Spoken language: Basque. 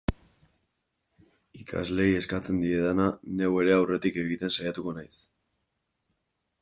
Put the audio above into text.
Ikasleei eskatzen diedana, neu ere aurretik egiten saiatuko naiz.